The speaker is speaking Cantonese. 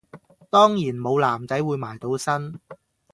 當然無男仔會埋到身